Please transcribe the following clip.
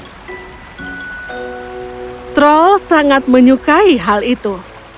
troll sangat menyukai hal itu